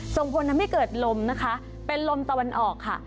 ส่งผลทำให้เกิดลมนะคะเป็นลมตะวันออกค่ะ